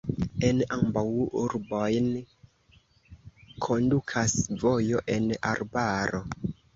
En ambaŭ urbojn kondukas vojo en arbaro.